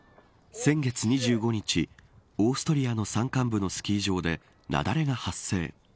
先月２５日オーストリアの山間部のスキー場で雪崩が発生。